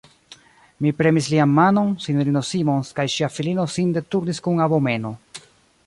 Mi premis lian manon; S-ino Simons kaj ŝia filino sin deturnis kun abomeno.